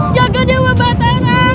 jaga dewa batara